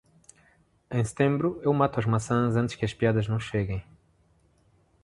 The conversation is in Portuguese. Em setembro, eu mato as maçãs antes que as piadas não cheguem.